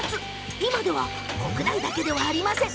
今では、国内だけでありません。